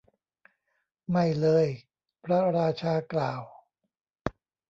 ไม่เลย พระราชากล่าว